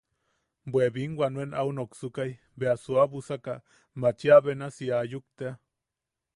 Bwe binwa nuen au noksukai, bea suabusaka machia benasi ayuk tea,.